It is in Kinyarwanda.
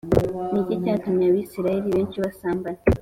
Ni iki cyatumye Abisirayeli benshi basambana